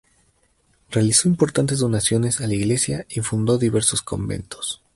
Realizó importantes donaciones a la iglesia y fundó diversos conventos.